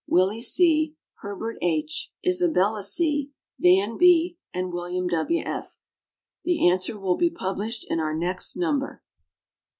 Willie C., Herbert H., Isabella C. Van B., and William W. F. The answer will be published in our next number.